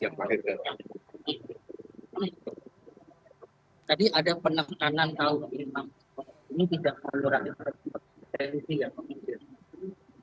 jadi ada penekanan tahu ini tidak melurah intensi ya pak